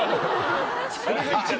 それが一番。